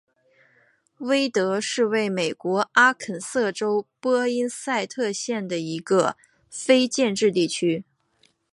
威德是位于美国阿肯色州波因塞特县的一个非建制地区。